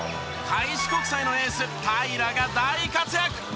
開志国際のエース平良が大活躍！